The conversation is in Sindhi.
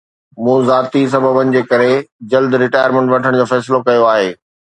مون ذاتي سببن جي ڪري جلد رٽائرمينٽ وٺڻ جو فيصلو ڪيو آهي